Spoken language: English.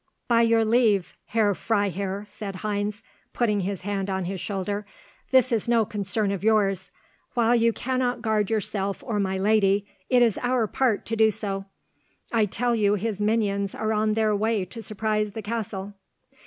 "By your leave, Herr Freiherr," said Heinz, putting his hand on his shoulder, "this is no concern of yours. While you cannot guard yourself or my lady, it is our part to do so. I tell you his minions are on their way to surprise the castle."